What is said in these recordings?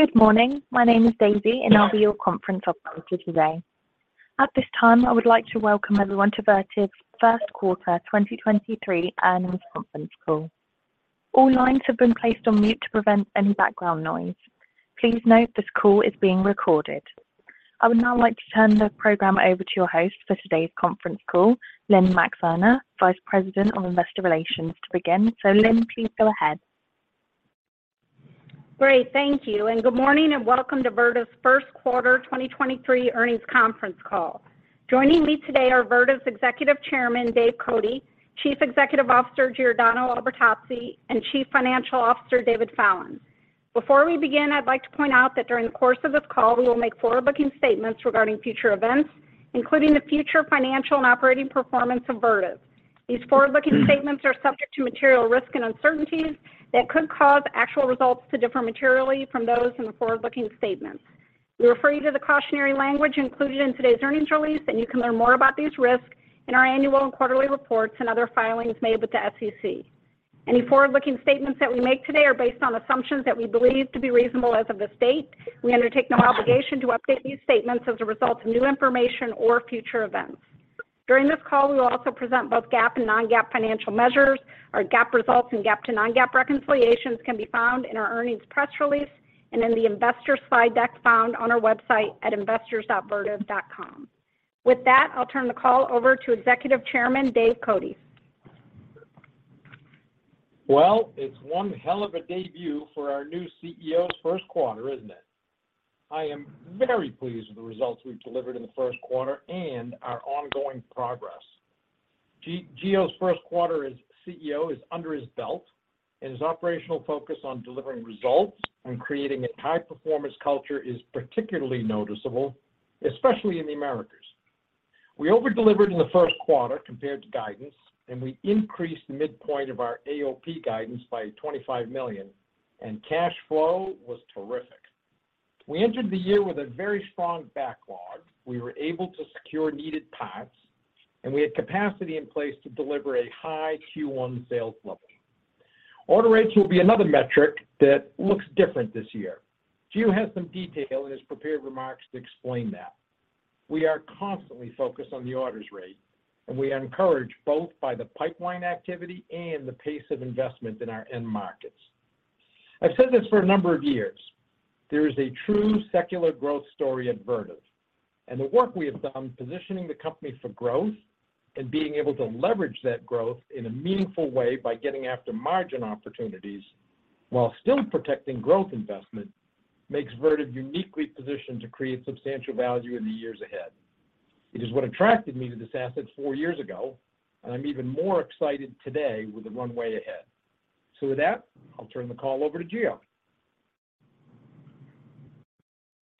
Good morning. My name is Daisy, I'll be your conference operator today. At this time, I would like to welcome everyone to Vertiv's Q1 2023 Earnings Conference Call. All lines have been placed on mute to prevent any background noise. Please note this call is being recorded. I would now like to turn the program over to your host for today's conference call, Lynne Maxeiner, Vice President of Investor Relations, to begin. Lynn, please go ahead. Great. Thank you. Good morning, and welcome to Vertiv's Q1 2023 Earnings Conference Call. Joining me today are Vertiv's Executive Chairman, Dave Cote, Chief Executive Officer, Giordano Albertazzi, and Chief Financial Officer, David Fallon. Before we begin, I'd like to point out that during the course of this call, we will make forward-looking statements regarding future events, including the future financial and operating performance of Vertiv. These forward-looking statements are subject to material risks and uncertainties that could cause actual results to differ materially from those in the forward-looking statements. We refer you to the cautionary language included in today's earnings release, and you can learn more about these risks in our annual and quarterly reports and other filings made with the SEC. Any forward-looking statements that we make today are based on assumptions that we believe to be reasonable as of this date. We undertake no obligation to update these statements as a result of new information or future events. During this call, we will also present both GAAP and non-GAAP financial measures. Our GAAP results and GAAP to non-GAAP reconciliations can be found in our earnings press release and in the investor slide deck found on our website at investors.vertiv.com. With that, I'll turn the call over to Executive Chairman, Dave Cote. It's one hell of a debut for our new CEO's Q1, isn't it? I am very pleased with the results we've delivered in the Q1 and our ongoing progress. Gio's Q1 as CEO is under his belt, and his operational focus on delivering results and creating a high-performance culture is particularly noticeable, especially in the Americas. We over-delivered in the Q1 compared to guidance, and we increased the midpoint of our AOP guidance by $25 million, and cash flow was terrific. We entered the year with a very strong backlog. We were able to secure needed parts, and we had capacity in place to deliver a high Q1 sales level. Order rates will be another metric that looks different this year. Gio has some detail in his prepared remarks to explain that. We are constantly focused on the orders rate, and we are encouraged both by the pipeline activity and the pace of investment in our end markets. I've said this for a number of years. There is a true secular growth story at Vertiv, and the work we have done positioning the company for growth and being able to leverage that growth in a meaningful way by getting after margin opportunities while still protecting growth investment makes Vertiv uniquely positioned to create substantial value in the years ahead. It is what attracted me to this asset four years ago, and I'm even more excited today with the runway ahead. With that, I'll turn the call over to Gio.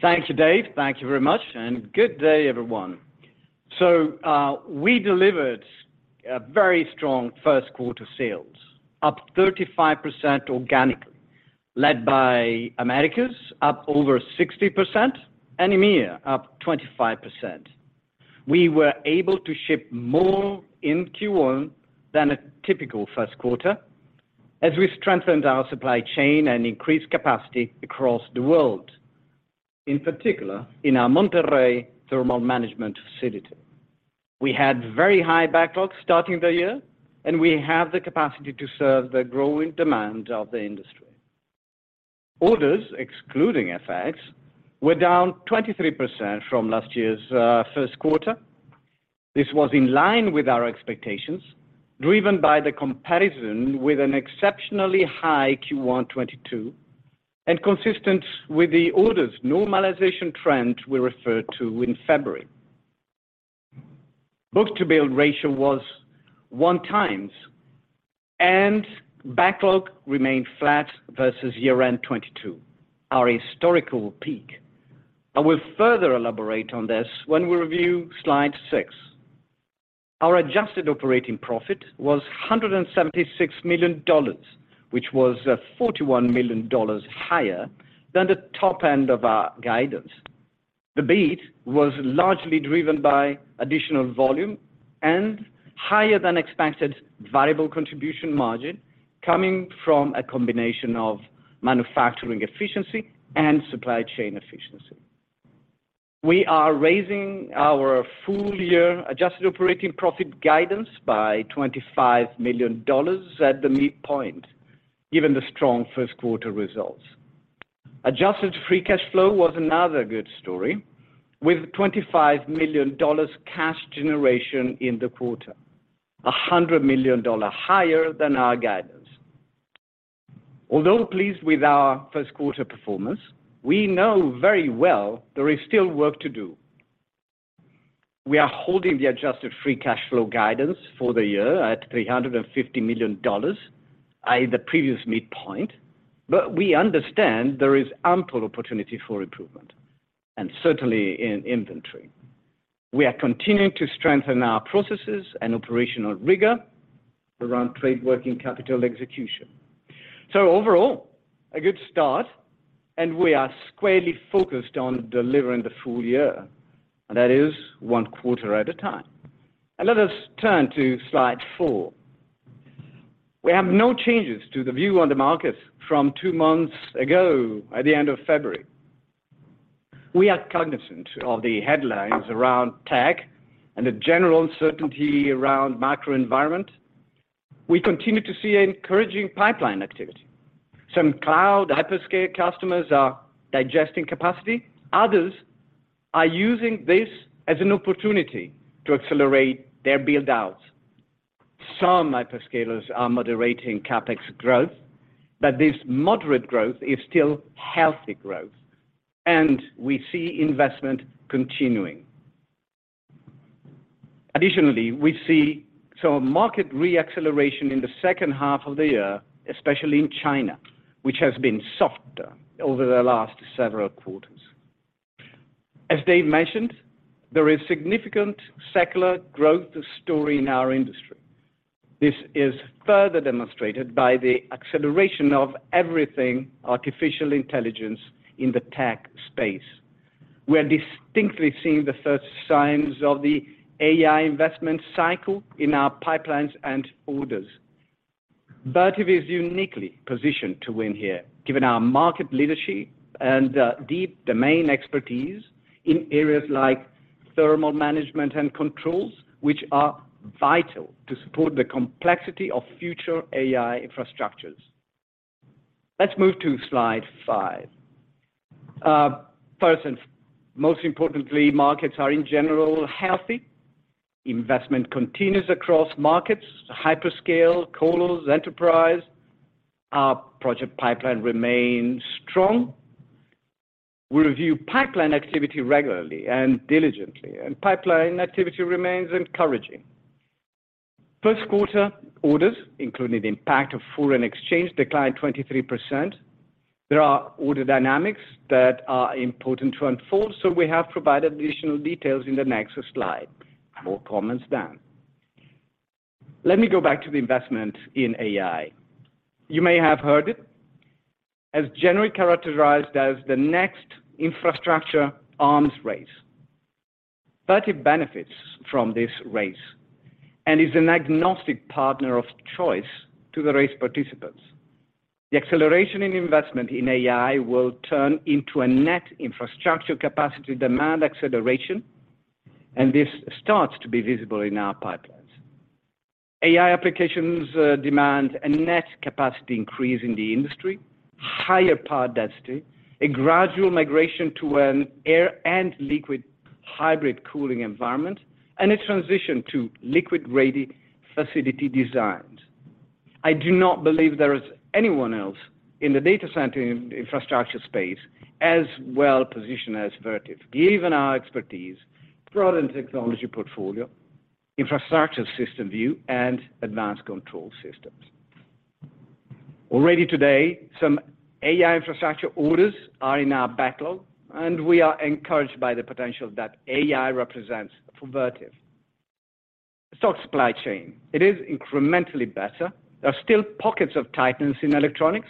Thanks, Dave. Thank you very much. Good day, everyone. We delivered a very strong Q1 sales, up 35% organically, led by Americas, up over 60%, and EMEA, up 25%. We were able to ship more in Q1 than a typical Q1 as we strengthened our supply chain and increased capacity across the world. In particular, in our Monterrey thermal management facility. We had very high backlogs starting the year. We have the capacity to serve the growing demand of the industry. Orders, excluding FX, were down 23% from last year's Q1. This was in line with our expectations, driven by the comparison with an exceptionally high Q1 2022 and consistent with the orders normalization trend we referred to in February. Book-to-bill ratio was 1x. Backlog remained flat versus year-end 2022, our historical peak. I will further elaborate on this when we review slide six. Our adjusted operating profit was $176 million, which was $41 million higher than the top end of our guidance. The beat was largely driven by additional volume and higher than expected variable contribution margin coming from a combination of manufacturing efficiency and supply chain efficiency. We are raising our full year adjusted operating profit guidance by $25 million at the midpoint, given the strong Q1 results. Adjusted free cash flow was another good story with $25 million cash generation in the quarter, $100 million higher than our guidance. Although pleased with our Q1 performance, we know very well there is still work to do. We are holding the adjusted free cash flow guidance for the year at $350 million, i.e., the previous midpoint, but we understand there is ample opportunity for improvement, and certainly in inventory. We are continuing to strengthen our processes and operational rigor around trade working capital execution. Overall, a good start, and we are squarely focused on delivering the full year, and that is one quarter at a time. Let us turn to slide four. We have no changes to the view on the market from two months ago at the end of February. We are cognizant of the headlines around tech and the general uncertainty around macro environment. We continue to see encouraging pipeline activity. Some cloud hyperscale customers are digesting capacity. Others are using this as an opportunity to accelerate their build-outs. Some hyperscalers are moderating CapEx growth, but this moderate growth is still healthy growth, and we see investment continuing. Additionally, we see some market re-acceleration in the second half of the year, especially in China, which has been softer over the last several quarters. As Dave mentioned, there is significant secular growth story in our industry. This is further demonstrated by the acceleration of everything artificial intelligence in the tech space. We are distinctly seeing the first signs of the AI investment cycle in our pipelines and orders. Vertiv is uniquely positioned to win here, given our market leadership and deep domain expertise in areas like thermal management and controls, which are vital to support the complexity of future AI infrastructures. Let's move to slide five. First and most importantly, markets are in general healthy. Investment continues across markets, hyperscale, colos, enterprise. Our project pipeline remains strong. We review pipeline activity regularly and diligently. Pipeline activity remains encouraging. Q1 orders, including the impact of foreign exchange, declined 23%. There are order dynamics that are important to unfold. We have provided additional details in the next slide. More comments there. Let me go back to the investment in AI. You may have heard it, as generally characterized as the next infrastructure arms race. Vertiv benefits from this race and is an agnostic partner of choice to the race participants. The acceleration in investment in AI will turn into a net infrastructure capacity demand acceleration. This starts to be visible in our pipelines. AI applications demand a net capacity increase in the industry, higher power density, a gradual migration to an air and liquid hybrid cooling environment, and a transition to liquid-ready facility designs. I do not believe there is anyone else in the data center infrastructure space as well positioned as Vertiv, given our expertise, product technology portfolio, infrastructure system view, and advanced control systems. Already today, some AI infrastructure orders are in our backlog, and we are encouraged by the potential that AI represents for Vertiv. Stock supply chain. It is incrementally better. There are still pockets of tightness in electronics,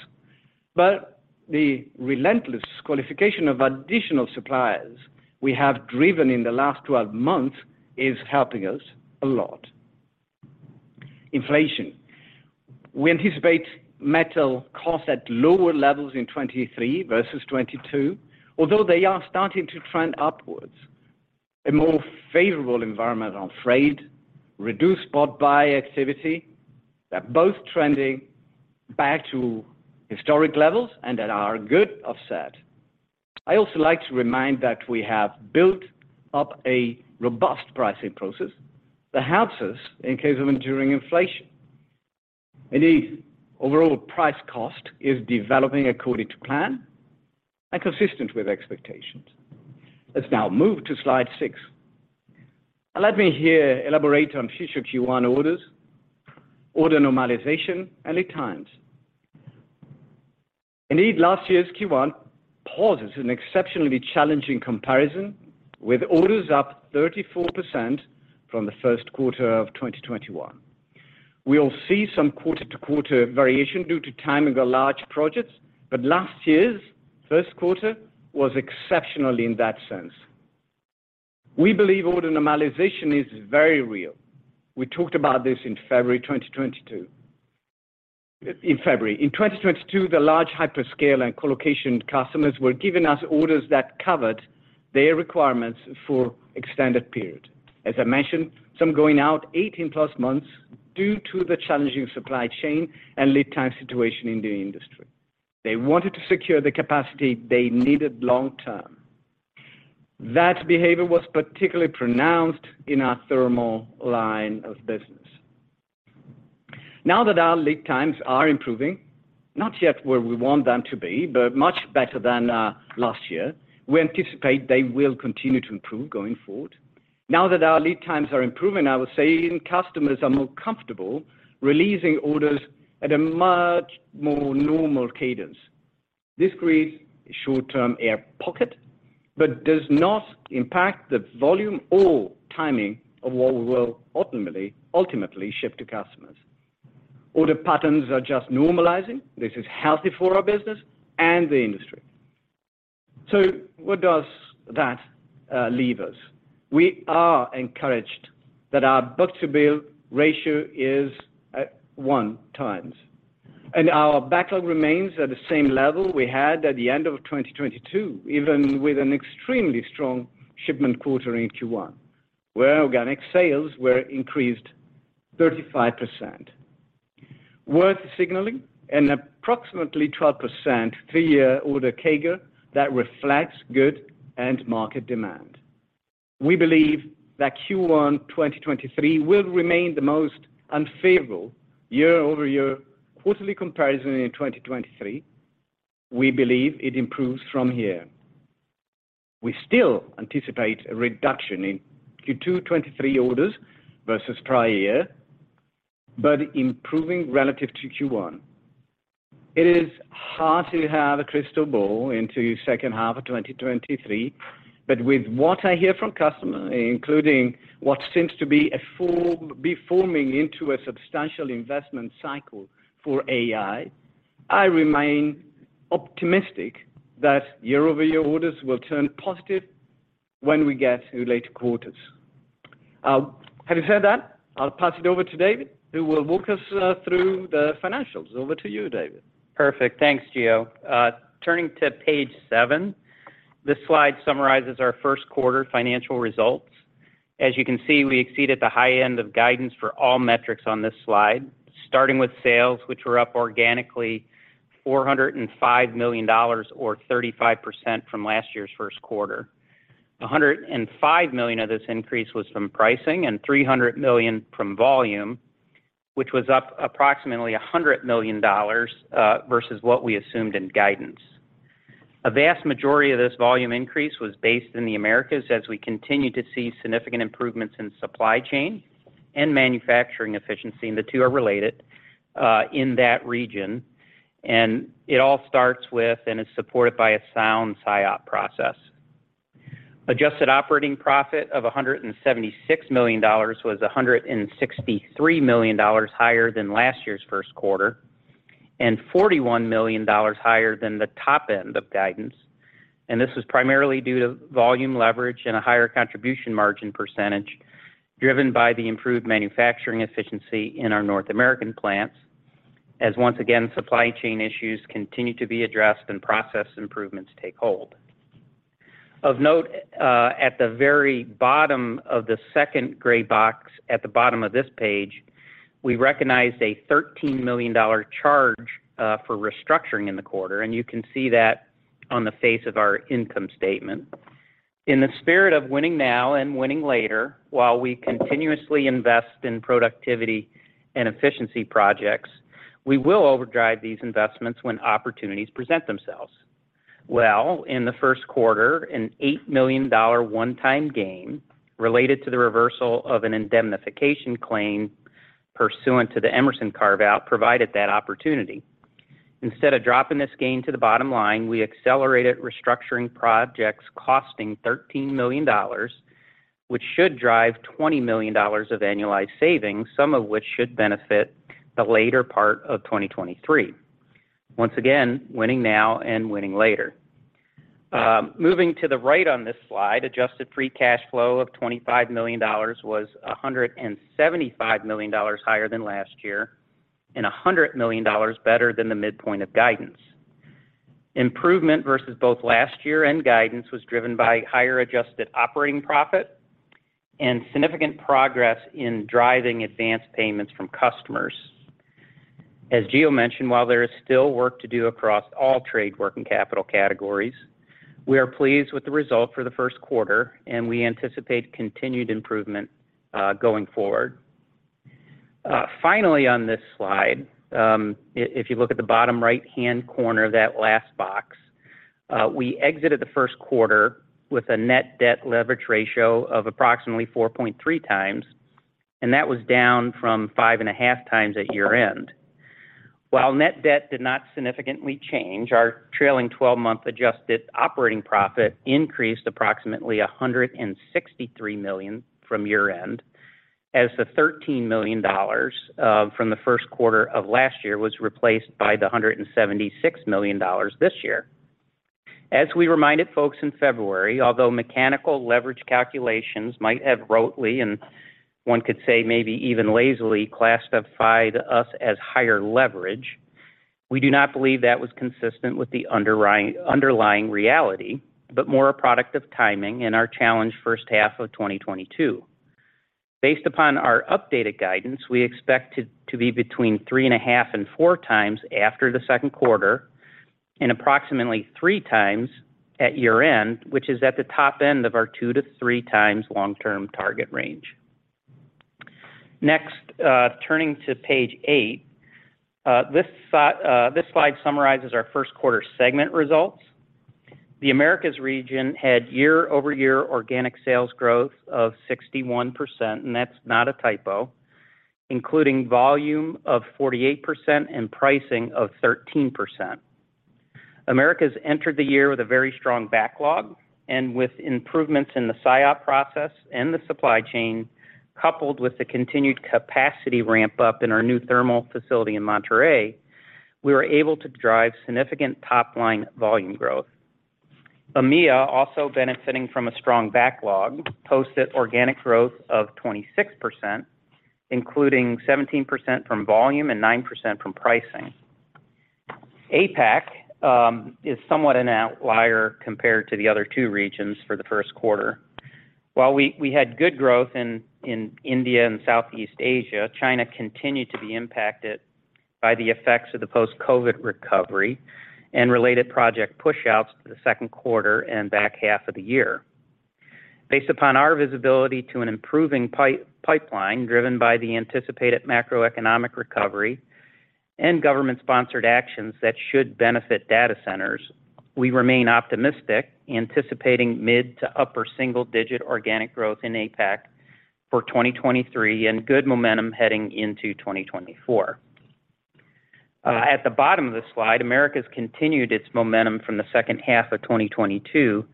but the relentless qualification of additional suppliers we have driven in the last 12 months is helping us a lot. Inflation. We anticipate metal costs at lower levels in 2023 versus 2022, although they are starting to trend upwards. A more favorable environment on freight, reduced spot buy activity. They're both trending back to historic levels and that are a good offset. I also like to remind that we have built up a robust pricing process that helps us in case of enduring inflation. Indeed, overall price cost is developing according to plan and consistent with expectations. Let's now move to slide six. Let me here elaborate on future Q1 orders, order normalization, and lead times. Indeed, last year's Q1 poses an exceptionally challenging comparison, with orders up 34% from the Q1 of 2021. We'll see some quarter-over-quarter variation due to timing of large projects, but last year's Q1 was exceptional in that sense. We believe order normalization is very real. We talked about this in February 2022. In February. In 2022, the large hyperscale and colocation customers were giving us orders that covered their requirements for extended period. As I mentioned, some going out 18-plus months due to the challenging supply chain and lead time situation in the industry. They wanted to secure the capacity they needed long term. That behavior was particularly pronounced in our thermal line of business. Our lead times are improving, not yet where we want them to be, but much better than last year, we anticipate they will continue to improve going forward. Our lead times are improving, I would say customers are more comfortable releasing orders at a much more normal cadence. This creates short-term air pocket, but does not impact the volume or timing of what we will ultimately ship to customers. Order patterns are just normalizing. This is healthy for our business and the industry. What does that leave us? We are encouraged that our book-to-bill ratio is at 1x, and our backlog remains at the same level we had at the end of 2022, even with an extremely strong shipment quarter in Q1, where organic sales were increased 35%. Worth signaling an approximately 12% three-year order CAGR that reflects good end market demand. We believe that Q1 2023 will remain the most unfavorable year-over-year quarterly comparison in 2023. We believe it improves from here. We still anticipate a reduction in Q2 2023 orders versus prior year, but improving relative to Q1. It is hard to have a crystal ball into second half of 2023, but with what I hear from customers, including what seems to be a forming into a substantial investment cycle for AI, I remain optimistic that year-over-year orders will turn positive when we get to later quarters. Having said that, I'll pass it over to David, who will walk us through the financials. Over to you, David. Perfect. Thanks, Gio. Turning to page seven, this slide summarizes our Q1 financial results. As you can see, we exceeded the high end of guidance for all metrics on this slide, starting with sales, which were up organically $405 million or 35% from last year's Q1. $105 million of this increase was from pricing and $300 million from volume, which was up approximately $100 million versus what we assumed in guidance. A vast majority of this volume increase was based in the Americas as we continue to see significant improvements in supply chain and manufacturing efficiency, and the two are related in that region. It all starts with, and it's supported by a sound SIOP process. Adjusted operating profit of $176 million was $163 million higher than last year's Q1, and $41 million higher than the top end of guidance. This was primarily due to volume leverage and a higher contribution margin percentage driven by the improved manufacturing efficiency in our North American plants as once again, supply chain issues continue to be addressed and process improvements take hold. Of note, at the very bottom of the second gray box at the bottom of this page, we recognized a $13 million charge for restructuring in the quarter, and you can see that on the face of our income statement. In the spirit of winning now and winning later, while we continuously invest in productivity and efficiency projects, we will overdrive these investments when opportunities present themselves. In the Q1, an $8 million one-time gain related to the reversal of an indemnification claim pursuant to the Emerson carve-out provided that opportunity. Instead of dropping this gain to the bottom line, we accelerated restructuring projects costing $13 million, which should drive $20 million of annualized savings, some of which should benefit the later part of 2023. Once again, winning now and winning later. Moving to the right on this slide, adjusted free cash flow of $25 million was $175 million higher than last year and $100 million better than the midpoint of guidance. Improvement versus both last year and guidance was driven by higher adjusted operating profit and significant progress in driving advanced payments from customers. As Gio mentioned, while there is still work to do across all trade working capital categories, we are pleased with the result for the Q1, and we anticipate continued improvement going forward. Finally, on this slide, if you look at the bottom right-hand corner of that last box, we exited the Q1 with a net debt leverage ratio of approximately 4.3x, and that was down from 5.5x at year-end. While net debt did not significantly change, our trailing 12-month adjusted operating profit increased approximately $163 million from year-end as the $13 million from the Q1 of last year was replaced by the $176 million this year. As we reminded folks in February, although mechanical leverage calculations might have rotely, and one could say maybe even lazily classified us as higher leverage, we do not believe that was consistent with the underlying reality, but more a product of timing in our challenged first half of 2022. Based upon our updated guidance, we expect to be between 3.5x and 4x after the Q2 and approximately 3x at year-end, which is at the top end of our 2x to 3x long-term target range. Next, turning to page eight. This slide summarizes our Q1 segment results. The Americas region had year-over-year organic sales growth of 61%, and that's not a typo, including volume of 48% and pricing of 13%. Americas entered the year with a very strong backlog and with improvements in the SIOP process and the supply chain, coupled with the continued capacity ramp-up in our new thermal facility in Monterrey, we were able to drive significant top-line volume growth. EMEA also benefiting from a strong backlog posted organic growth of 26%, including 17% from volume and 9% from pricing. APAC is somewhat an outlier compared to the other two regions for the Q1. While we had good growth in India and Southeast Asia, China continued to be impacted by the effects of the post-COVID recovery and related project pushouts to the Q2 and back half of the year. Based upon our visibility to an improving pipeline driven by the anticipated macroeconomic recovery and government-sponsored actions that should benefit data centers, we remain optimistic, anticipating mid to upper single-digit organic growth in APAC for 2023 and good momentum heading into 2024. At the bottom of the slide, Americas continued its momentum from the second half of 2022,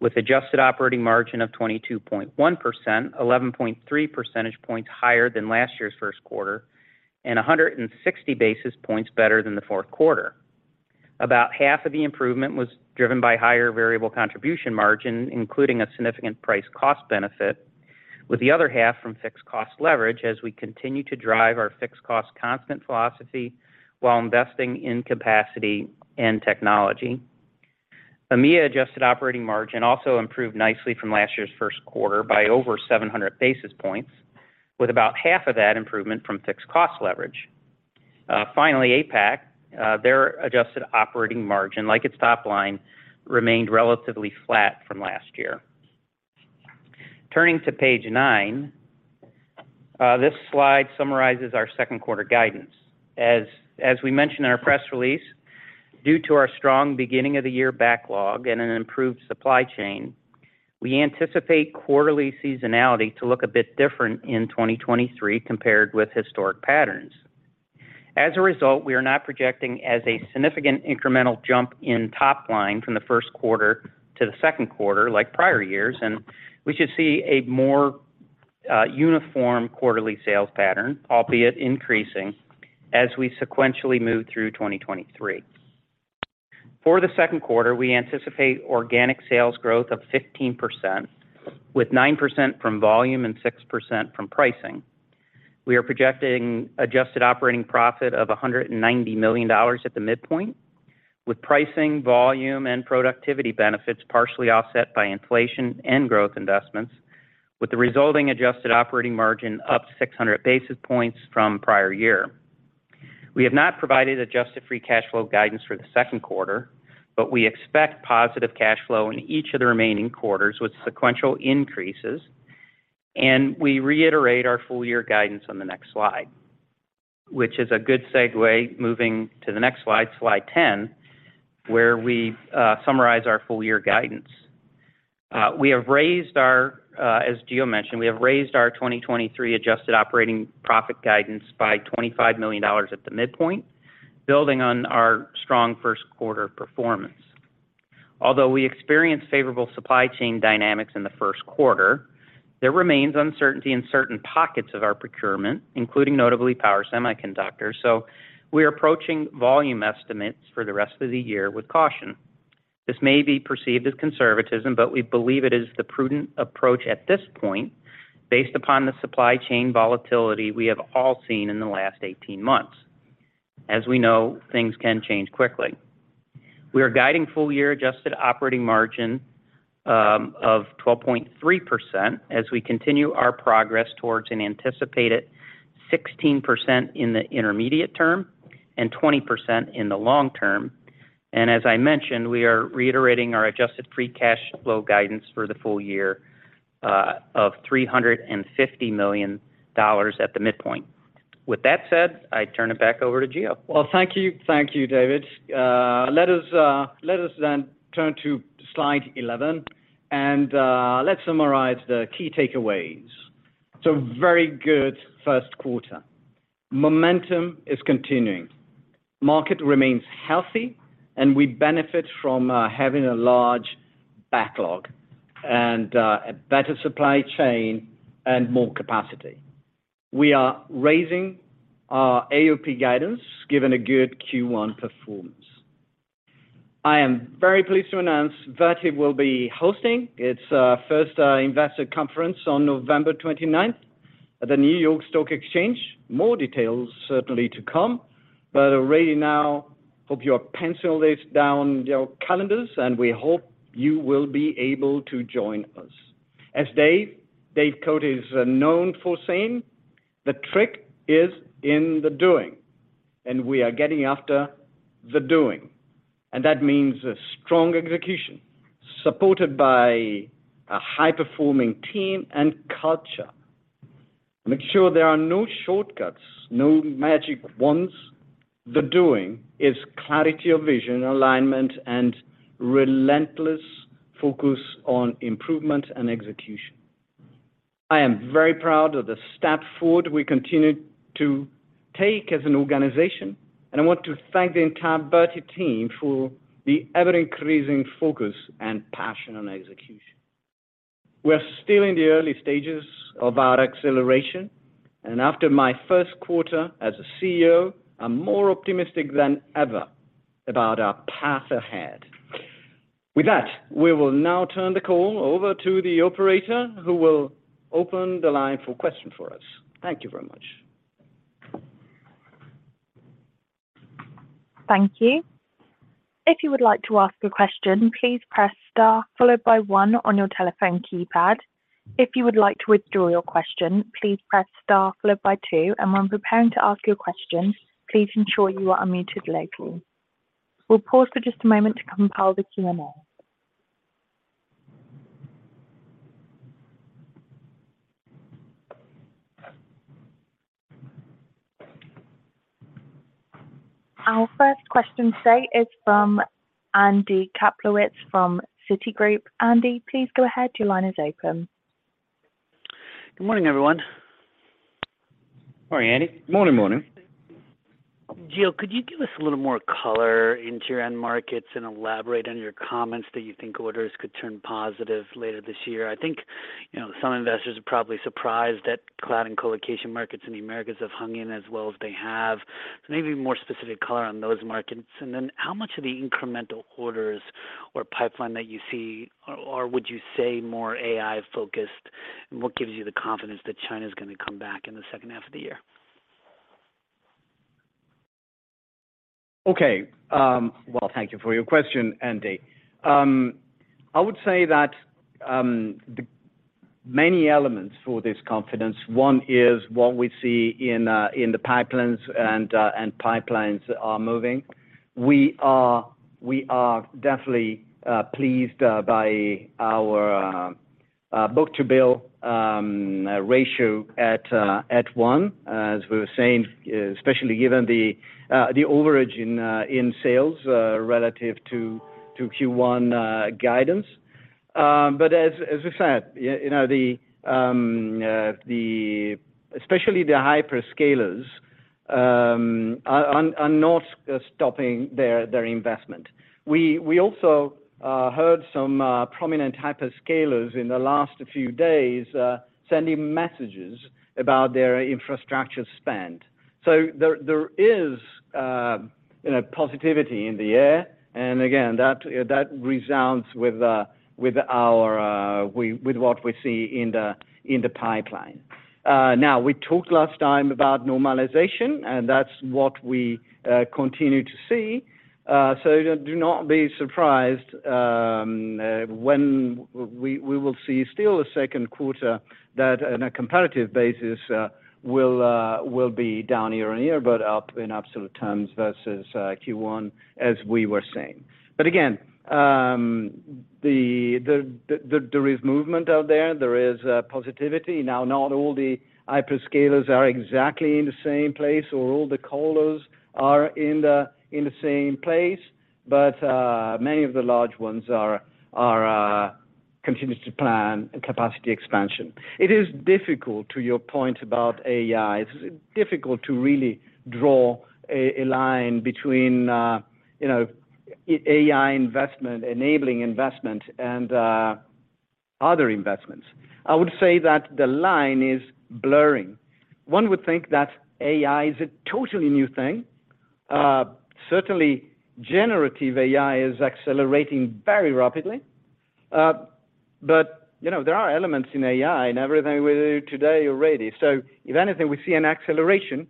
with adjusted operating margin of 22.1%, 11.3 percentage points higher than last year's Q1, and 160 basis points better than the Q1. About half of the improvement was driven by higher variable contribution margin, including a significant price cost benefit, with the other half from fixed cost leverage as we continue to drive our fixed cost constant philosophy while investing in capacity and technology. EMEA adjusted operating margin also improved nicely from last year's first quarter by over 700 basis points, with about half of that improvement from fixed cost leverage. Finally, APAC, their adjusted operating margin, like its top line, remained relatively flat from last year. Turning to page nine. This slide summarizes our Q2 guidance. As we mentioned in our press release, due to our strong beginning of the year backlog and an improved supply chain, we anticipate quarterly seasonality to look a bit different in 2023 compared with historic patterns. As a result, we are not projecting as a significant incremental jump in top line from the Q1 to the Q2, like prior years, and we should see a more uniform quarterly sales pattern, albeit increasing as we sequentially move through 2023. For the Q2, we anticipate organic sales growth of 15%, with 9% from volume and 6% from pricing. We are projecting adjusted operating profit of $190 million at the midpoint, with pricing, volume, and productivity benefits partially offset by inflation and growth investments, with the resulting adjusted operating margin up 600 basis points from prior year. We have not provided adjusted free cash flow guidance for the Q2, but we expect positive cash flow in each of the remaining quarters with sequential increases, and we reiterate our full year guidance on the next slide. Which is a good segue moving to the next slide 10, where we summarize our full year guidance. We have raised our, as Gio mentioned, we have raised our 2023 adjusted operating profit guidance by $25 million at the midpoint, building on our strong Q1 performance. Although we experienced favorable supply chain dynamics in the Q1, there remains uncertainty in certain pockets of our procurement, including notably power semiconductors. We are approaching volume estimates for the rest of the year with caution. This may be perceived as conservatism, but we believe it is the prudent approach at this point based upon the supply chain volatility we have all seen in the last 18 months. We know, things can change quickly. We are guiding full year adjusted operating margin of 12.3% as we continue our progress towards an anticipated 16% in the intermediate term and 20% in the long term. As I mentioned, we are reiterating our adjusted free cash flow guidance for the full year, of $350 million at the midpoint. That said, I turn it back over to Gio. Well, thank you. Thank you, David. Let us, let us then turn to slide 11, let's summarize the key takeaways. Very good Q1. Momentum is continuing. Market remains healthy, and we benefit from having a large backlog and a better supply chain and more capacity. We are raising our AOP guidance, given a good Q1 performance. I am very pleased to announce Vertiv will be hosting its first investor conference on November 29th at the New York Stock Exchange. More details certainly to come, but already now hope you have penciled this down your calendars, and we hope you will be able to join us. As Dave Cote is known for saying, "The trick is in the doing," and we are getting after the doing. That means a strong execution supported by a high-performing team and culture. Make sure there are no shortcuts, no magic wands. The doing is clarity of vision, alignment, and relentless focus on improvement and execution. I am very proud of the step forward we continue to take as an organization. I want to thank the entire Vertiv team for the ever-increasing focus and passion on execution. We're still in the early stages of our acceleration. After my Q1 as a CEO, I'm more optimistic than ever about our path ahead. With that, we will now turn the call over to the operator, who will open the line for questions for us. Thank you very much. Thank you. If you would like to ask a question, please press star followed by one on your telephone keypad. If you would like to withdraw your question, please press star followed by two. When preparing to ask your question, please ensure you are unmuted locally. We'll pause for just a moment to compile the Q&A. Our first question today is from Andy Kaplowitz from Citigroup. Andy, please go ahead. Your line is open. Good morning, everyone. Morning, Andy. Morning. Morning. Gio, could you give us a little more color into your end markets and elaborate on your comments that you think orders could turn positive later this year? I think, you know, some investors are probably surprised that cloud and colocation markets in the Americas have hung in as well as they have. Maybe more specific color on those markets. How much of the incremental orders or pipeline that you see are would you say more AI-focused? What gives you the confidence that China is going to come back in the second half of the year? Okay. Well, thank you for your question, Andy. I would say that the many elements for this confidence, one is what we see in the pipelines and pipelines are moving. We are definitely pleased by our book-to-bill ratio at one, as we were saying, especially given the overage in sales relative to Q1 guidance. As I said, you know, especially the hyperscalers are not stopping their investment. We also heard some prominent hyperscalers in the last few days sending messages about their infrastructure spend. There is, you know, positivity in the air. Again, that resounds with our, with what we see in the pipeline. We talked last time about normalization, and that's what we continue to see. Do not be surprised, when we will see still a Q2 that on a comparative basis, will be down year-on-year, but up in absolute terms versus Q1, as we were saying. Again, the there is movement out there. There is positivity. Not all the hyperscalers are exactly in the same place or all the colos are in the same place, but many of the large ones are continuing to plan capacity expansion. It is difficult to your point about AI. It's difficult to really draw a line between, you know, AI investment, enabling investment and other investments. I would say that the line is blurring. One would think that AI is a totally new thing. Certainly generative AI is accelerating very rapidly. You know, there are elements in AI in everything we do today already. If anything, we see an acceleration,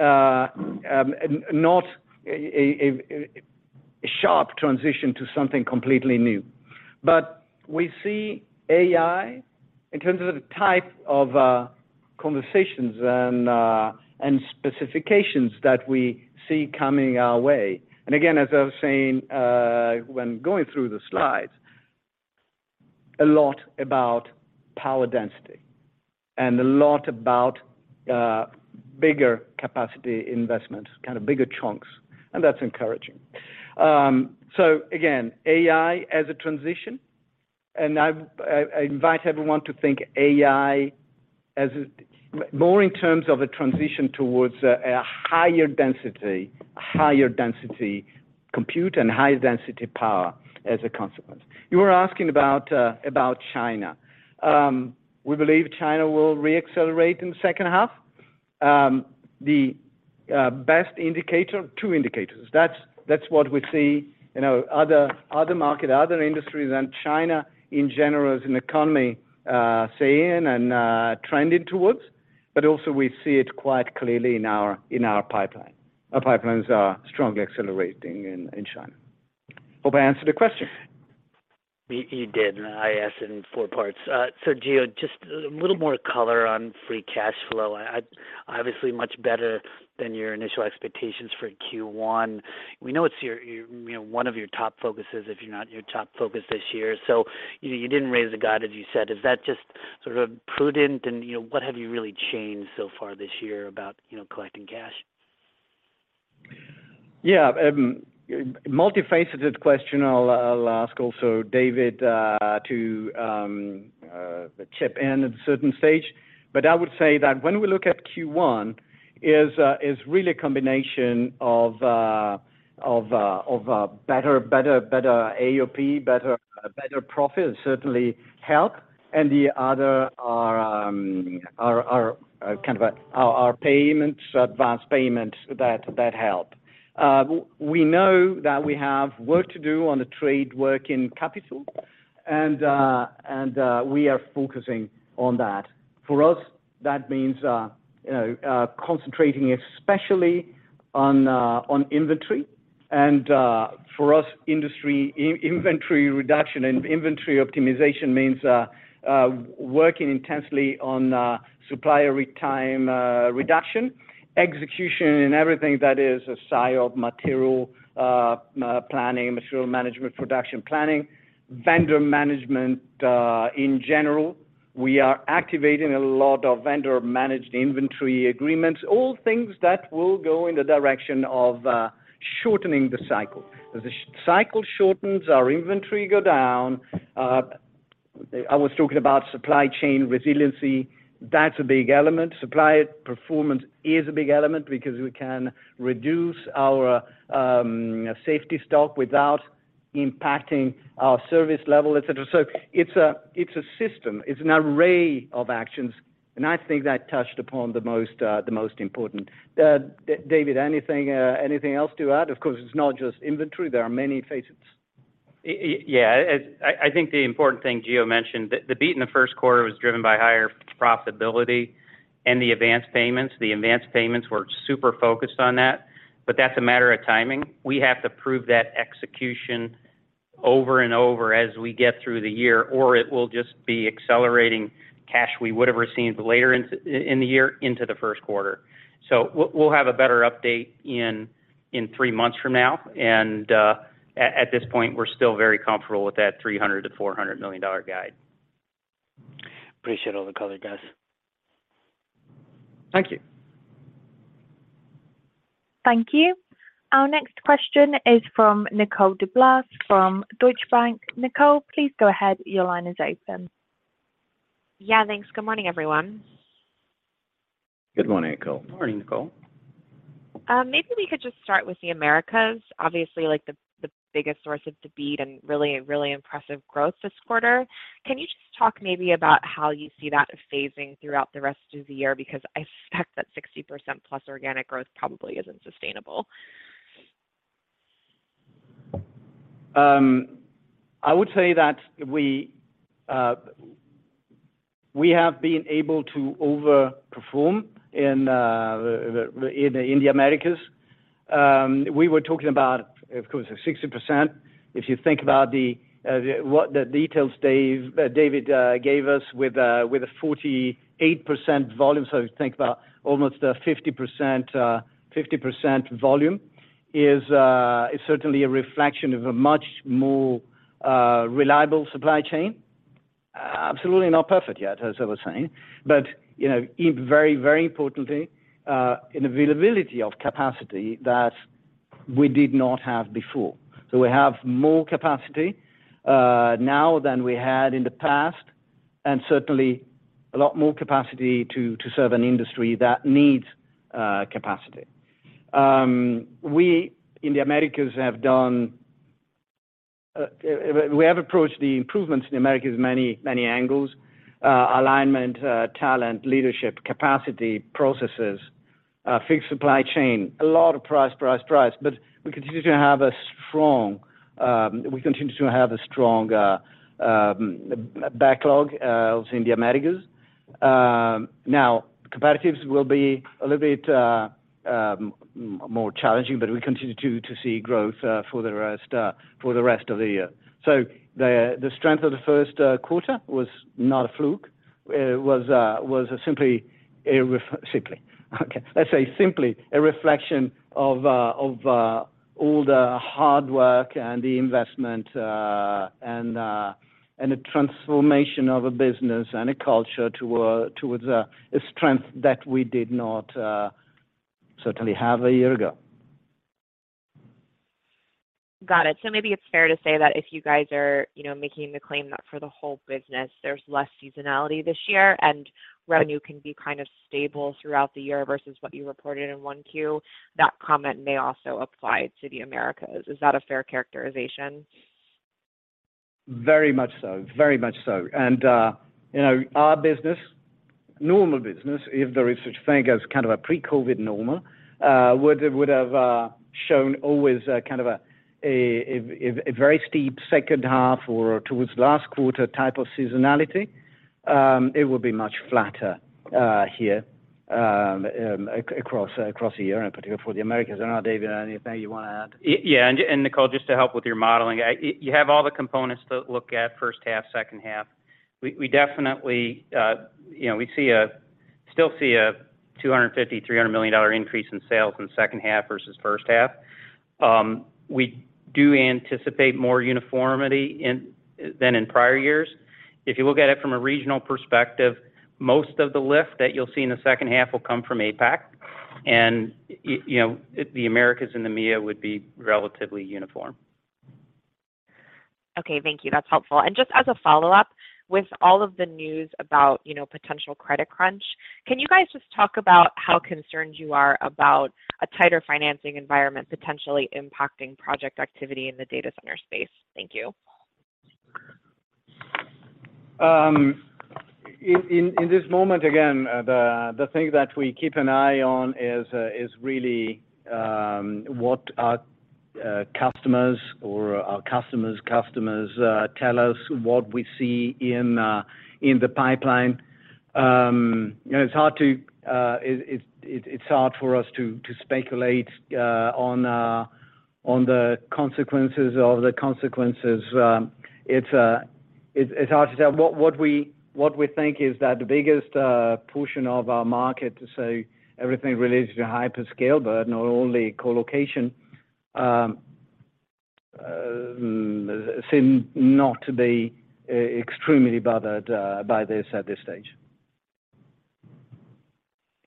not a sharp transition to something completely new. We see AI in terms of the type of conversations and specifications that we see coming our way. Again, as I was saying, when going through the slides, a lot about power density and a lot about bigger capacity investment, kind of bigger chunks, that's encouraging. Again, AI as a transition, and I invite everyone to think AI as more in terms of a transition towards a higher density compute and higher density power as a consequence. You were asking about China. We believe China will re-accelerate in the second half. The best indicator, two indicators. That's what we see, you know, other market, other industries and China in general as an economy saying and trending towards. Also we see it quite clearly in our pipeline. Our pipelines are strongly accelerating in China. Hope I answered the question. You did, and I asked in four parts. Gio, just a little more color on free cash flow. Obviously much better than your initial expectations for Q1. We know it's your, you know, one of your top focuses, if you're not your top focus this year. You didn't raise the guide, as you said. Is that just sort of prudent? What have you really changed so far this year about, you know, collecting cash? Yeah, multifaceted question. I'll ask also David to chip in at a certain stage. I would say that when we look at Q1 is really a combination of better AOP, better profit certainly help, and the other are kind of our payments, advanced payments that help. We know that we have work to do on the trade working capital and we are focusing on that. For us, that means, you know, concentrating especially on inventory and for us, inventory reduction and inventory optimization means working intensely on supplier retime, reduction, execution in everything that is a SIOP material planning, material management production planning, vendor management in general. We are activating a lot of vendor-managed inventory agreements, all things that will go in the direction of shortening the cycle. As the cycle shortens, our inventory go down. I was talking about supply chain resiliency, that's a big element. Supply performance is a big element because we can reduce our safety stock without impacting our service level, et cetera. It's a system. It's an array of actions, and I think that touched upon the most important. David, anything else to add? Of course, it's not just inventory, there are many facets. Yeah. I think the important thing Gio mentioned, the beat in the Q1 was driven by higher profitability and the advanced payments. The advanced payments were super focused on that, but that's a matter of timing. We have to prove that execution over and over as we get through the year, it will just be accelerating cash we would've received later into the year into the Q1. We'll have a better update in three months from now. At this point, we're still very comfortable with that $300 million-$400 million guide. Appreciate all the color, guys. Thank you. Thank you. Our next question is from Nicole DeBlase from Deutsche Bank. Nicole, please go ahead. Your line is open. Yeah, thanks. Good morning, everyone. Good morning, Nicole. Morning, Nicole. Maybe we could just start with the Americas, obviously, like, the biggest source of the beat and really impressive growth this quarter. Can you just talk maybe about how you see that phasing throughout the rest of the year? I suspect that 60%+ organic growth probably isn't sustainable. I would say that we have been able to overperform in the Americas. We were talking about, of course, the 60%. If you think about what the details Dave, David gave us with a 48% volume. Think about almost a 50%, 50% volume is certainly a reflection of a much more reliable supply chain. Absolutely not perfect yet, as I was saying. You know, a very, very importantly, an availability of capacity that we did not have before. We have more capacity now than we had in the past, and certainly a lot more capacity to serve an industry that needs capacity. We in the Americas have done, we have approached the improvements in the Americas many angles, alignment, talent, leadership, capacity, processes, fixed supply chain, a lot of price, price. We continue to have a strong backlog, also in the Americas. Comparatives will be a little bit more challenging, but we continue to see growth for the rest of the year. The strength of the Q1 was not a fluke. It was simply. Okay. Let's say simply a reflection of all the hard work and the investment and a transformation of a business and a culture towards a strength that we did not certainly have a year ago. Got it. Maybe it's fair to say that if you guys are, you know, making the claim that for the whole business, there's less seasonality this year, and revenue can be kind of stable throughout the year versus what you reported in Q1, that comment may also apply to the Americas. Is that a fair characterization? Very much so. Very much so. You know, our business, normal business, if there is such thing as kind of a pre-COVID normal, would have, would have shown always a kind of a very steep second half or towards last quarter type of seasonality. It will be much flatter here across the year and particularly for the Americas. I don't know, David, anything you wanna add? Yeah. Nicole, just to help with your modeling. You have all the components to look at first half, second half. We definitely, you know, we still see a $250 million-$300 million increase in sales in second half versus first half. We do anticipate more uniformity than in prior years. If you look at it from a regional perspective, most of the lift that you'll see in the second half will come from APAC. You know, the Americas and the EMEA would be relatively uniform. Okay, thank you. That's helpful. Just as a follow-up, with all of the news about, you know, potential credit crunch, can you guys just talk about how concerned you are about a tighter financing environment potentially impacting project activity in the data center space? Thank you. In this moment, again, the thing that we keep an eye on is really what our customers or our customers tell us, what we see in the pipeline. You know, it's hard for us to speculate on the consequences of the consequences. It's hard to tell. What we think is that the biggest portion of our market, so everything related to hyperscale, but not only colocation, seem not to be extremely bothered by this at this stage.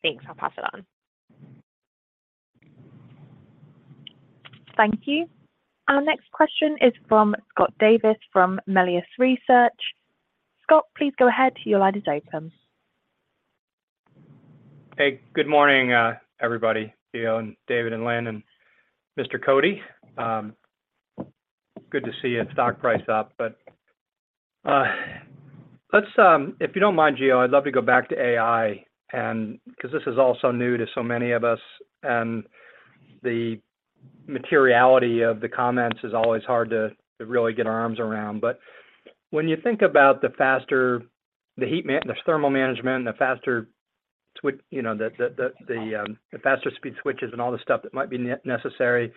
Thanks. I'll pass it on. Thank you. Our next question is from Scott Davis from Melius Research. Scott, please go ahead. Your line is open. Hey, good morning, everybody, Gio and David and Lynn and Mr. Cote. Good to see you. Stock price up. Let's, if you don't mind, Gio, I'd love to go back to AI and because this is all so new to so many of us, and the materiality of the comments is always hard to really get our arms around. When you think about the faster the thermal management, the faster switch, you know, the faster speed switches and all the stuff that might be necessary,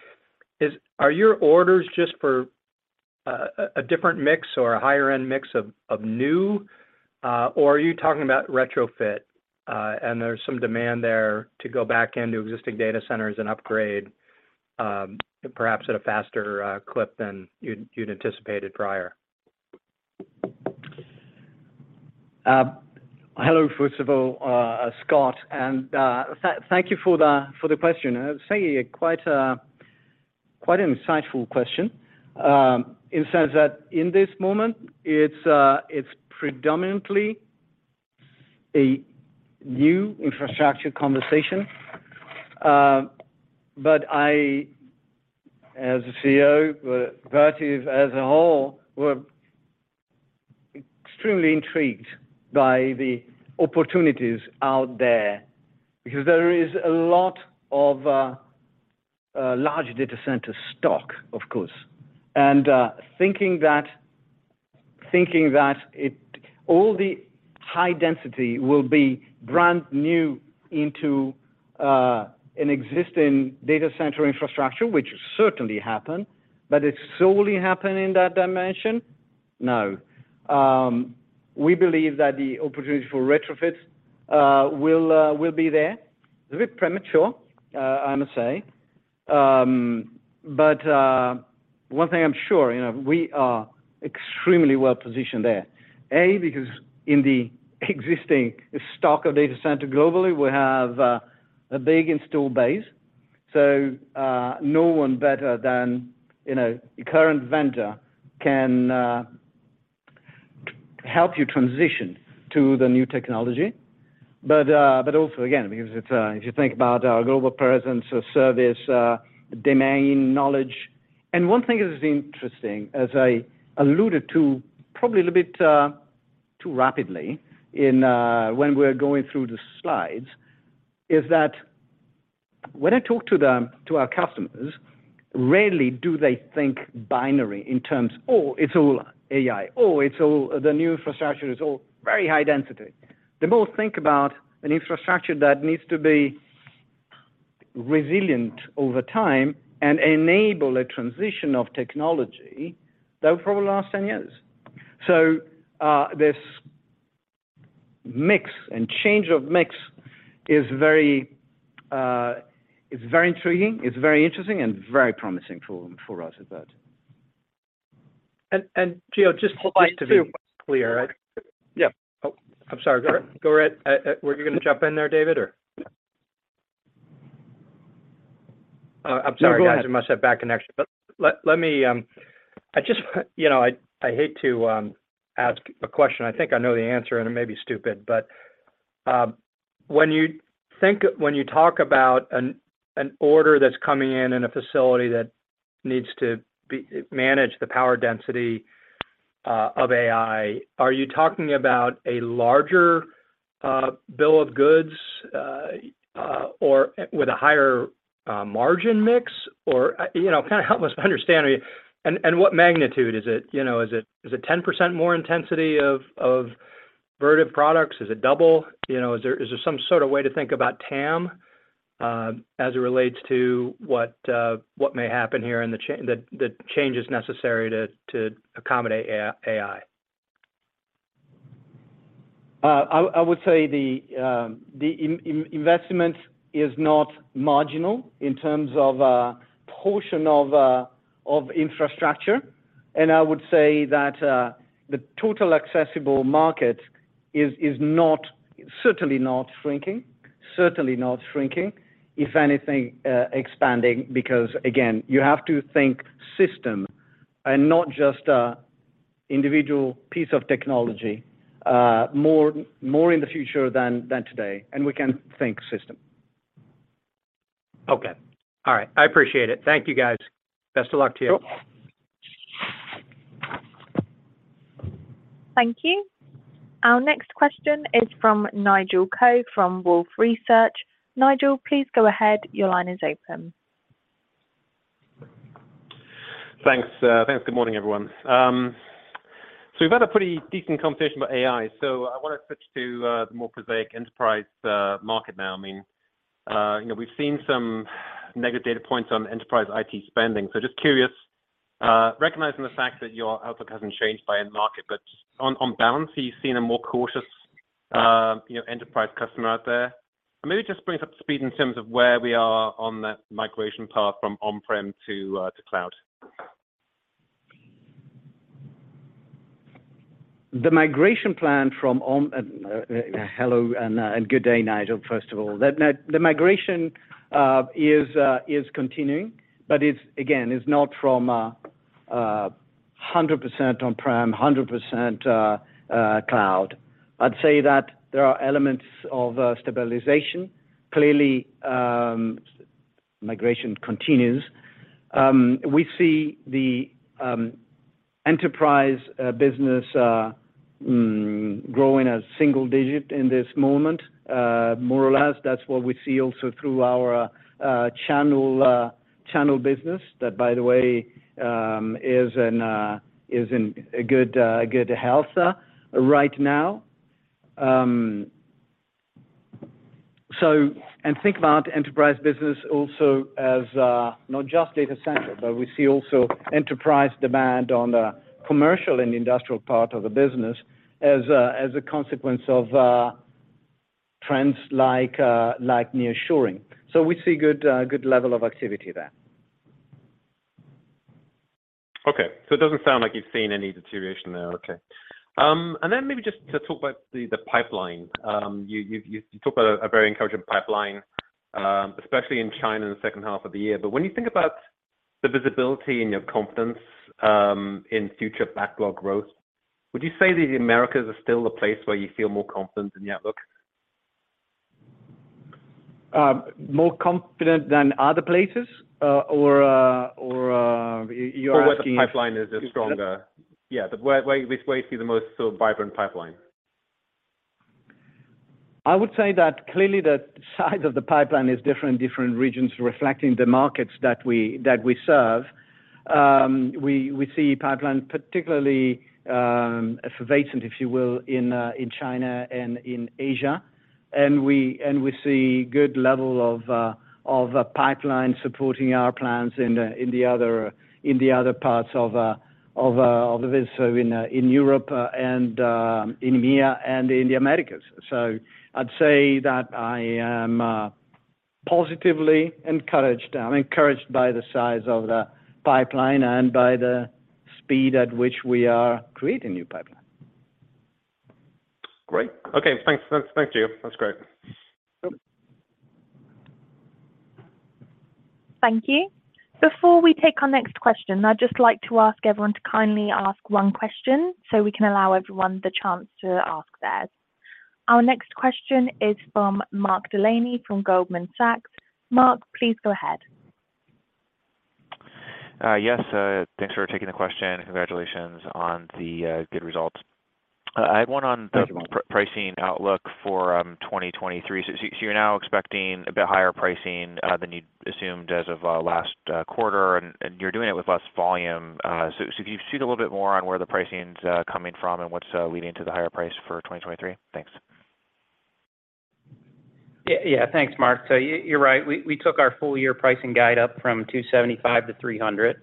are your orders just for a different mix or a higher end mix of new, or are you talking about retrofit, and there's some demand there to go back into existing data centers and upgrade, perhaps at a faster clip than you'd anticipated prior? Hello, first of all, Scott, and thank you for the question. I'd say quite insightful question, in the sense that in this moment it's predominantly a new infrastructure conversation. I as a CEO, but Vertiv as a whole, we're extremely intrigued by the opportunities out there because there is a lot of large data center stock, of course. Thinking that it all the high density will be brand new into an existing data center infrastructure, which certainly happen, but it's solely happen in that dimension. No. We believe that the opportunity for retrofits will be there. A bit premature, I must say. One thing I'm sure, you know, we are extremely well positioned there. Because in the existing stock of data center globally, we have a big installed base, so no one better than, you know, current vendor can help you transition to the new technology. But also again, because it's if you think about our global presence or service domain knowledge. One thing is interesting, as I alluded to probably a little bit too rapidly in when we're going through the slides, is that when I talk to our customers, rarely do they think binary in terms, "Oh, it's all AI. Oh, it's all the new infrastructure is all very high density." They both think about an infrastructure that needs to be resilient over time and enable a transition of technology that will probably last 10 years. This mix and change of mix is very, is very intriguing, it's very interesting and very promising for us at that. Gio, just to be clear. Yeah. Oh, I'm sorry. Go right. Were you gonna jump in there, David, or? Oh, I'm sorry. No, go ahead. I must have bad connection. let me I just, you know, I hate to ask a question. I think I know the answer, and it may be stupid, but when you think, when you talk about an order that's coming in in a facility that needs to be, manage the power density of AI, are you talking about a larger bill of goods or with a higher margin mix or, you know, kind of help us understand. What magnitude is it? You know, is it, is it 10% more intensity of Vertiv products? Is it double? You know, is there, is there some sort of way to think about TAM as it relates to what may happen here and the changes necessary to accommodate AI? I would say the investment is not marginal in terms of portion of infrastructure. I would say that the total accessible market is not, certainly not shrinking. If anything, expanding. Again, you have to think system and not just a individual piece of technology, more in the future than today. We can think system. Okay. All right. I appreciate it. Thank you, guys. Best of luck to you. Sure. Thank you. Our next question is from Nigel Coe from Wolfe Research. Nigel, please go ahead. Your line is open. Thanks. Good morning, everyone. We've had a pretty decent conversation about AI, so I wanna switch to the more prosaic enterprise market now. I mean, you know, we've seen some negative data points on enterprise IT spending, so just curious, recognizing the fact that your outlook hasn't changed by end market, but on balance, have you seen a more cautious, you know, enterprise customer out there? Maybe just bring us up to speed in terms of where we are on that migration path from on-prem to cloud. Hello, good day, Nigel, first of all. The migration is continuing, but it's, again, it's not from a 100% on-prem, 100% cloud. I'd say that there are elements of stabilization. Clearly, migration continues. We see the enterprise business growing a single-digit in this moment. More or less, that's what we see also through our channel business, that by the way, is in a good health right now. Think about enterprise business also as not just data center, but we see also enterprise demand on the commercial and industrial part of the business as a consequence of trends like nearshoring. We see good level of activity there. Okay. It doesn't sound like you've seen any deterioration there. Okay. Maybe just to talk about the pipeline. You talk about a very encouraging pipeline, especially in China in the second half of the year. When you think about the visibility and your confidence in future backlog growth, would you say the Americas are still the place where you feel more confident in the outlook? More confident than other places, or, you're asking? Where the pipeline is stronger. Yeah. Where, which way do you see the most sort of vibrant pipeline? I would say that clearly the size of the pipeline is different in different regions, reflecting the markets that we serve. We see pipeline particularly effervescent, if you will, in China and in Asia. We see good level of pipeline supporting our plans in the other parts of this in Europe and in EMEA and in the Americas. I'd say that I am positively encouraged. I'm encouraged by the size of the pipeline and by the speed at which we are creating new pipeline. Great. Okay. Thanks. Thank you. That's great. Sure. Thank you. Before we take our next question, I'd just like to ask everyone to kindly ask one question, so we can allow everyone the chance to ask theirs. Our next question is from Mark Delaney from Goldman Sachs. Mark, please go ahead. Yes. Thanks for taking the question. Congratulations on the good results. Thank you, Mark. I had one on the pricing outlook for 2023. You're now expecting a bit higher pricing than you assumed as of last quarter, and you're doing it with less volume. Can you speak a little bit more on where the pricing's coming from and what's leading to the higher price for 2023? Thanks. Thanks, Mark. You're right. We took our full year pricing guide up from $275-$300.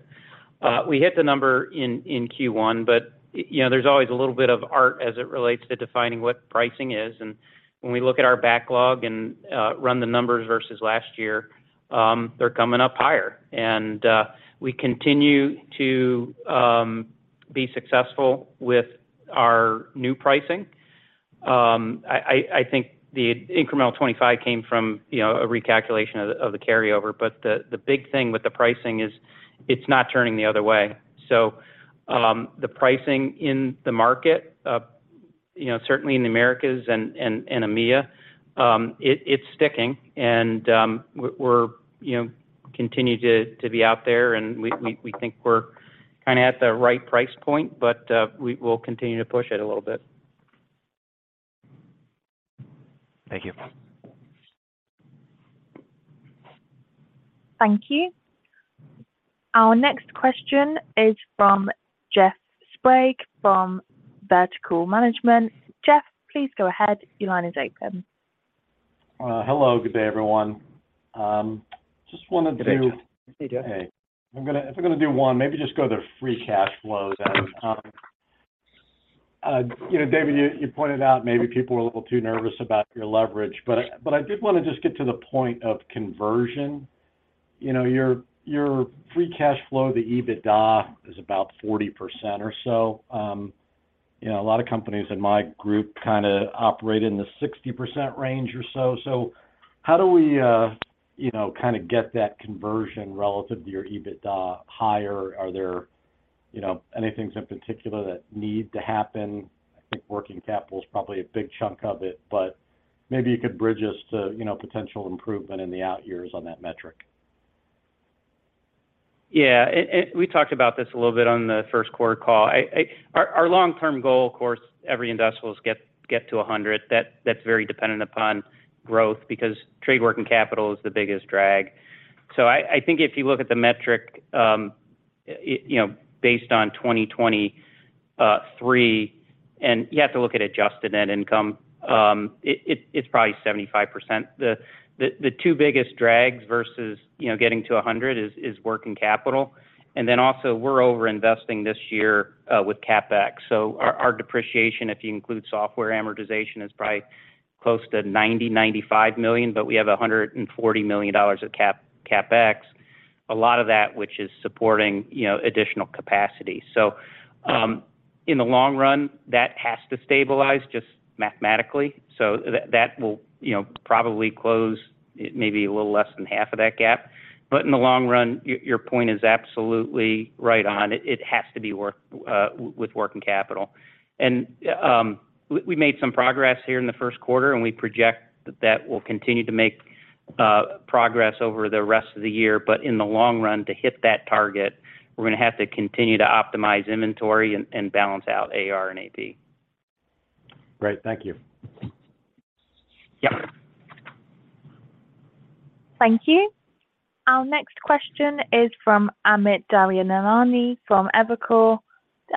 We hit the number in Q1, you know, there's always a little bit of art as it relates to defining what pricing is. When we look at our backlog and run the numbers versus last year, they're coming up higher. We continue to be successful with our new pricing. I think the incremental $25 came from, you know, a recalculation of the carryover, but the big thing with the pricing is it's not turning the other way. The pricing in the market, you know, certainly in the Americas and EMEA, it's sticking and, we're, you know, continue to be out there and we think we're kinda at the right price point, but we will continue to push it a little bit. Thank you. Thank you. Our next question is from Jeff Sprague from Vertical Research Partners. Jeff, please go ahead. Your line is open. Hello. Good day, everyone. Good day, Jeff. Hey. How you doing? If I'm gonna do one, maybe just go to free cash flows. You know, David, you pointed out maybe people were a little too nervous about your leverage. But I did wanna just get to the point of conversion. You know, your free cash flow, the EBITDA is about 40% or so. You know, a lot of companies in my group kind of operate in the 60% range or so. How do we, you know, kind of get that conversion relative to your EBITDA higher? Are there, you know, any things in particular that need to happen? I think working capital is probably a big chunk of it, but maybe you could bridge us to, you know, potential improvement in the outyears on that metric. Yeah. We talked about this a little bit on the Q1 call. Our long-term goal, of course, every industrialist get to 100%. That's very dependent upon growth because trade working capital is the biggest drag. I think if you look at the metric, you know, based on 2023, and you have to look at adjusted net income, it's probably 75%. The two biggest drags versus, you know, getting to 100% is working capital. Then also we're over-investing this year with CapEx. Our depreciation, if you include software amortization, is probably close to $90 million-$95 million, but we have $140 million of CapEx, a lot of that which is supporting, you know, additional capacity. In the long run, that has to stabilize just mathematically. That will, you know, probably close maybe a little less than half of that gap. In the long run, your point is absolutely right on. It has to be work with working capital. We made some progress here in the Q1, and we project that will continue to make progress over the rest of the year. In the long run, to hit that target, we're gonna have to continue to optimize inventory and balance out AR and AP. Great. Thank you. Yeah. Thank you. Our next question is from Amit Daryanani from Evercore.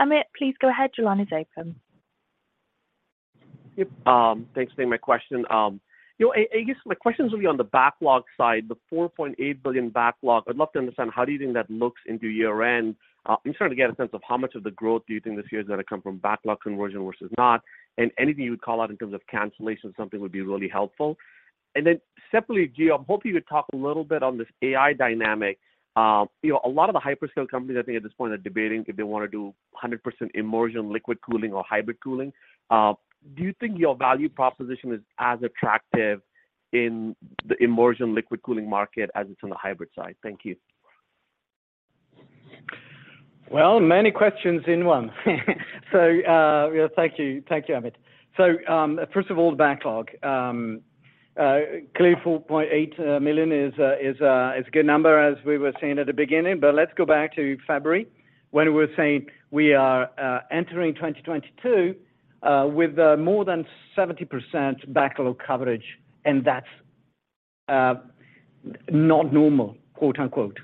Amit, please go ahead. Your line is open. Yep. Thanks for taking my question. You know, I guess, my question is really on the backlog side, the $4.8 billion backlog. I'd love to understand how do you think that looks into year-end? I'm just trying to get a sense of how much of the growth do you think this year is gonna come from backlog conversion versus not? Anything you would call out in terms of cancellation, something would be really helpful. Separately, Gio, I'm hoping you could talk a little bit on this AI dynamic. you know, a lot of the hyperscale companies I think at this point are debating if they wanna do 100% immersion liquid cooling or hybrid cooling. Do you think your value proposition is as attractive in the immersion liquid cooling market as it's on the hybrid side? Thank you. Many questions in one. Thank you. Thank you, Amit. First of all, the backlog. Clearly $4.8 million is a good number, as we were saying at the beginning. Let's go back to February when we were saying we are entering 2023 with more than 70% backlog coverage, and that's not normal, quote-unquote.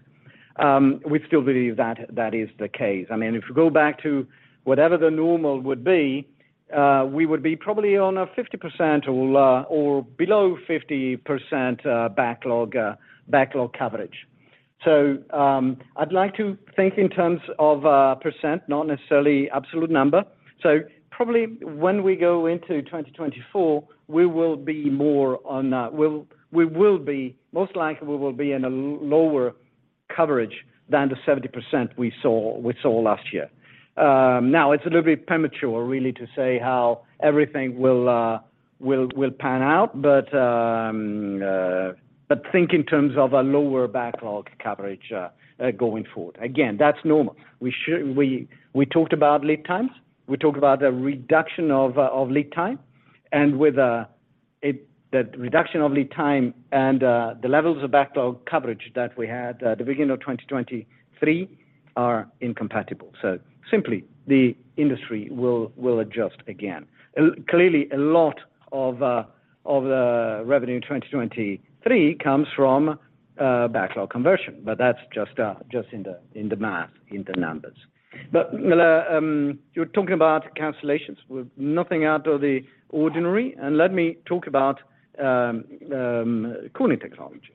We still believe that is the case. I mean, if you go back to whatever the normal would be, we would be probably on a 50% or below 50% backlog coverage. I'd like to think in terms of percent, not necessarily absolute number. Probably when we go into 2024, we will be more on, most likely we will be in a lower coverage than the 70% we saw last year. Now it's a little bit premature really to say how everything will pan out, but think in terms of a lower backlog coverage going forward. Again, that's normal. We talked about lead times. We talked about the reduction of lead time. With the reduction of lead time and the levels of backlog coverage that we had at the beginning of 2023 are incompatible. Simply, the industry will adjust again. Clearly a lot of the revenue in 2023 comes from backlog conversion, but that's just in the math, in the numbers. You're talking about cancellations. We're nothing out of the ordinary. Let me talk about cooling technology.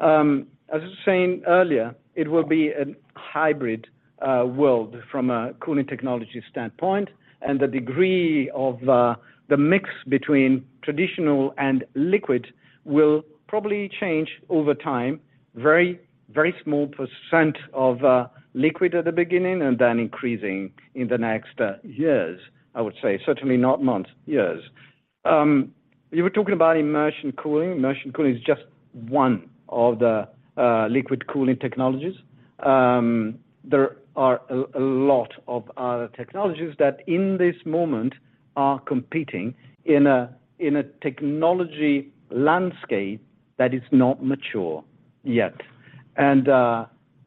As I was saying earlier, it will be a hybrid world from a cooling technology standpoint, and the degree of the mix between traditional and liquid will probably change over time. Very, very small percent of liquid at the beginning and then increasing in the next years, I would say. Certainly not months, years. You were talking about immersion cooling. Immersion cooling is just one of the liquid cooling technologies. There are a lot of other technologies that in this moment are competing in a technology landscape that is not mature yet.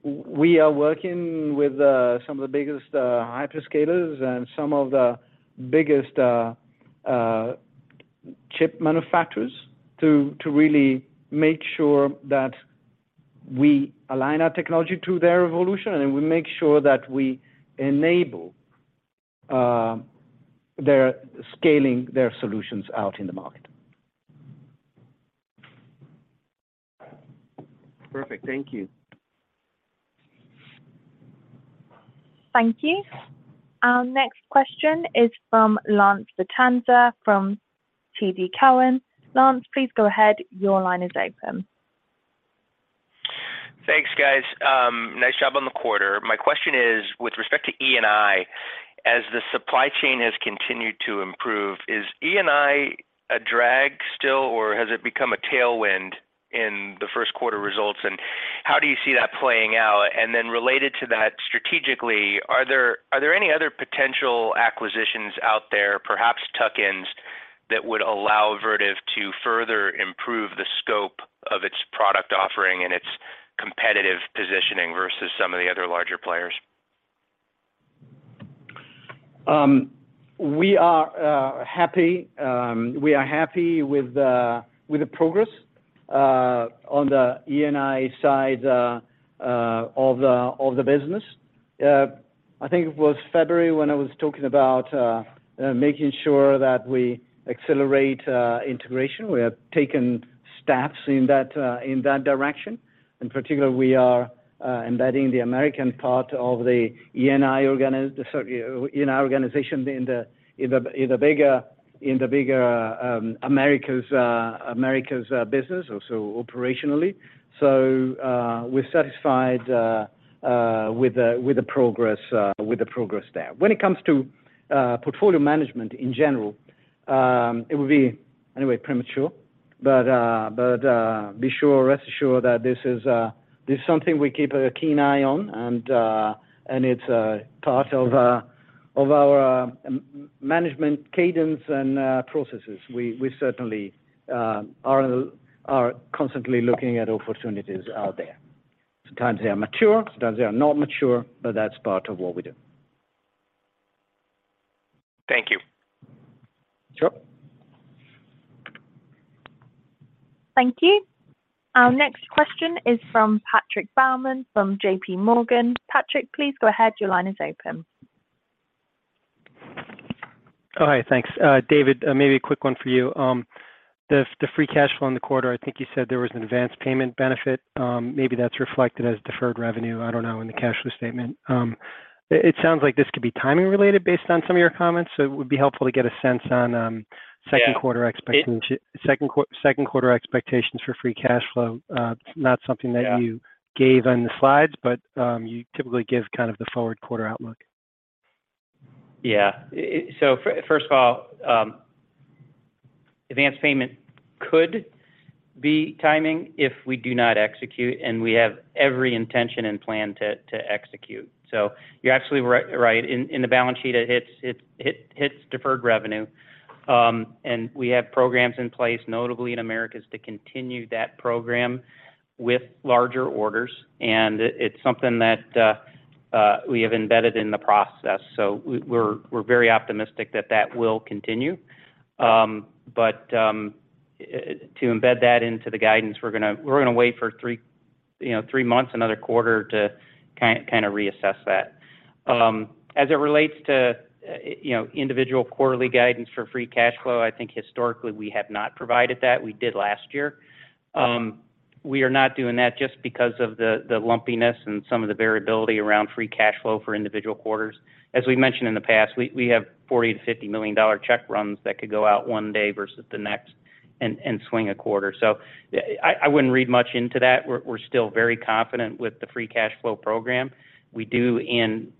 We are working with some of the biggest hyperscalers and some of the biggest chip manufacturers to really make sure that we align our technology to their evolution, and then we make sure that we enable their scaling their solutions out in the market. Perfect. Thank you. Thank you. Our next question is from Lance Vitanza from TD Cowen. Lance, please go ahead. Your line is open. Thanks, guys. Nice job on the quarter. My question is with respect to E&I, as the supply chain has continued to improve, is E&I a drag still, or has it become a tailwind in the Q1 results, and how do you see that playing out? Related to that, strategically, are there any other potential acquisitions out there, perhaps tuck-ins, that would allow Vertiv to further improve the scope of its product offering and its competitive positioning versus some of the other larger players? We are happy with the progress on the E&I side of the business. I think it was February when I was talking about making sure that we accelerate integration. We have taken steps in that direction. In particular, we are embedding the American part of the E&I organization in the bigger Americas business also operationally. We're satisfied with the progress there. When it comes to portfolio management in general, it would be anyway premature. Be sure, rest assured that this is something we keep a keen eye on, and it's a part of our management cadence and processes. We certainly are constantly looking at opportunities out there. Sometimes they are mature, sometimes they are not mature, but that's part of what we do. Thank you. Sure. Thank you. Our next question is from Patrick Baumann from JPMorgan. Patrick, please go ahead. Your line is open. Hi. Thanks. David, maybe a quick one for you. The free cash flow in the quarter, I think you said there was an advanced payment benefit, maybe that's reflected as deferred revenue, I don't know, in the cash flow statement. It sounds like this could be timing related based on some of your comments, so it would be helpful to get a sense on. Yeah. Second quarter expectations for free cash flow. Not something that. Yeah. Gave on the slides, you typically give kind of the forward quarter outlook. First of all, advanced payment could be timing if we do not execute, and we have every intention and plan to execute. You're absolutely right. In the balance sheet, it hits deferred revenue. We have programs in place, notably in Americas, to continue that program with larger orders. It's something that we have embedded in the process. We're very optimistic that that will continue. To embed that into the guidance, we're gonna wait for three, you know, three months, another quarter to kinda reassess that. As it relates to, you know, individual quarterly guidance for free cash flow, I think historically we have not provided that. We did last year. We are not doing that just because of the lumpiness and some of the variability around free cash flow for individual quarters. As we mentioned in the past, we have $40 million-$50 million check runs that could go out one day versus the next and swing a quarter. I wouldn't read much into that. We're still very confident with the free cash flow program. We do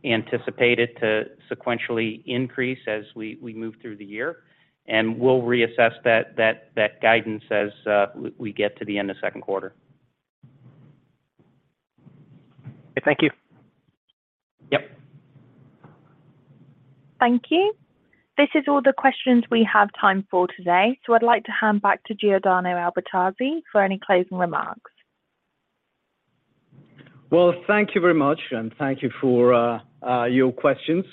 anticipate it to sequentially increase as we move through the year, and we'll reassess that guidance as we get to the end of Q2. Okay, thank you. Yep. Thank you. This is all the questions we have time for today, so I'd like to hand back to Giordano Albertazzi for any closing remarks. Well, thank you very much, and thank you for your questions.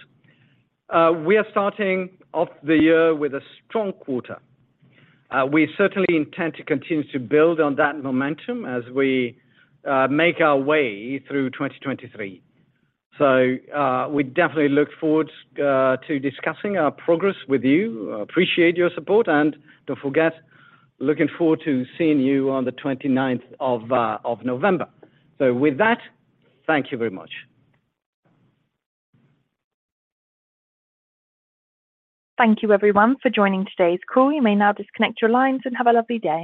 We are starting off the year with a strong quarter. We certainly intend to continue to build on that momentum as we make our way through 2023. We definitely look forward to discussing our progress with you. Appreciate your support, and don't forget, looking forward to seeing you on 29 November 2023. With that, thank you very much. Thank you everyone for joining today's call. You may now disconnect your lines and have a lovely day.